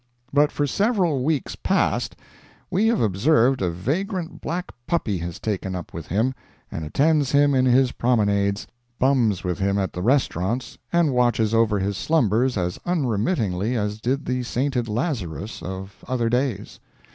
But, for several weeks past, we have observed a vagrant black puppy has taken up with him, and attends him in his promenades, bums with him at the restaurants, and watches over his slumbers as unremittingly as did the sainted Lazarus of other days.